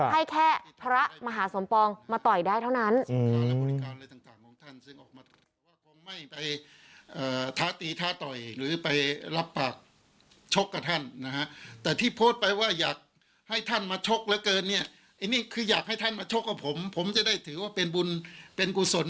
ให้แค่พระมหาสมปองมาต่อยได้เท่านั้น